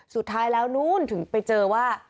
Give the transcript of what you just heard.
สุดท้ายแล้วนู้นถึงไปเจอว่า